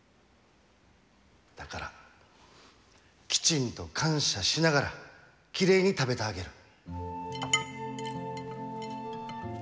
だから、きちんと感謝しながらきれいに食べてあげる。